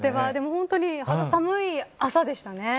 本当に、肌寒い朝でしたね。